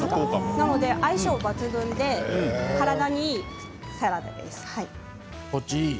なので相性抜群で体にいいサラダです。